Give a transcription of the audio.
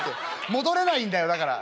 戻れないんだよだから。